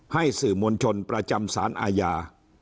ให้สื่อมวลชนประจำสารอาญา